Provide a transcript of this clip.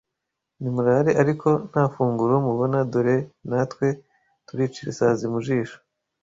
Nimurare ariko nta funguro mubona dore na twe turicira isazi mu jisho